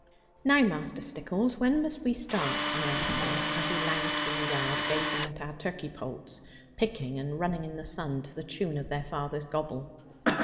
'Now, Master Stickles, when must we start?' I asked him, as he lounged in the yard gazing at our turkey poults picking and running in the sun to the tune of their father's gobble.